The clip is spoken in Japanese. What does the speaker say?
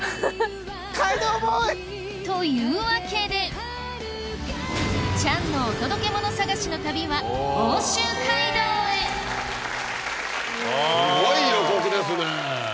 街道ボーイ！というわけでチャンのお届けモノ探しの旅は奥州街道へすごい予告ですね。